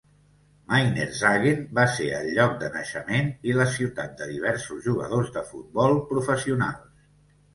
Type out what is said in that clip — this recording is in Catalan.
Meinerzhagen va ser el lloc de naixement i la ciutat de diversos jugadors de futbol professionals.